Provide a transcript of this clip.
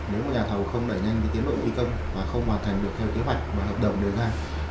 nếu nhà thầu không đẩy nhanh tiến đội thi công và không hoàn thành được theo kế hoạch và hợp đồng đề ra